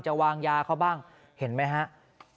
วางยาเขาบ้างเห็นไหมฮะ